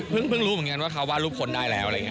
เพิ่งรู้เหมือนกันว่าเขาวาดรูปคนได้แล้วอะไรอย่างนี้